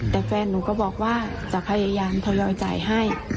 แต่แฟนหนูก็บอกว่าจะพยายามทยอยจ่ายให้